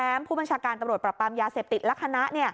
เพื่อให้ผู้บัญชาการประปับยาเสพติดและคณะ